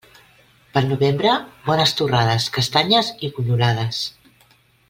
Pel novembre, bones torrades, castanyes i bunyolades.